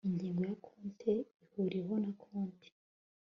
Ingingo ya Konti ihuriweho na konti